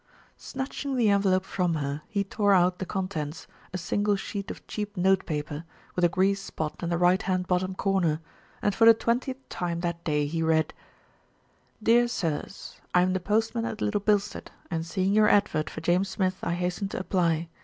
Snatching the envelope from her, he tore out the contents, a single sheet of cheap notepaper, with a grease spot in the right hand bottom corner, and for the twentieth time that day he read: Dear Sirs I am the post man at Little Bilstead and seeing your advert for James Smith I hasten to aply.